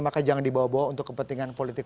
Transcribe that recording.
maka jangan dibawa bawa untuk kepentingan politik